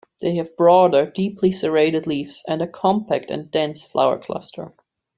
They have broader, deeply serrated leaves and a compact and dense flower cluster.